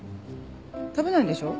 食べないんでしょ？